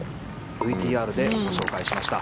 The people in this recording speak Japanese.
ＶＴＲでご紹介しました。